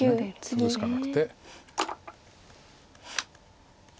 ツグしかなくて。